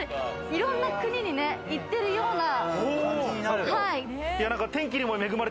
いろんな国に行ってるような。